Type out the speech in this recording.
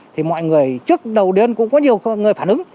thì mọi người trước đầu đêm cũng có nhiều người phản ứng